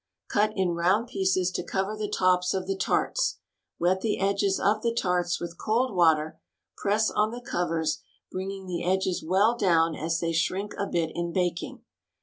Cut in round pieces to cover the tops of the tarts. Wet the edges of the tarts with cold water ; press on the covers, bringing the edges well down as they shrink a bit in baking.